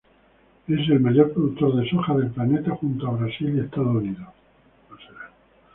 Es el mayor productor de soja del planeta junto a Brasil y Estados Unidos.